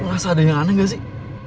lo ngerasa adanya aneh gak sih